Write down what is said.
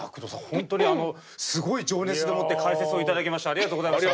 本当にすごい情熱でもって解説を頂きましてありがとうございました。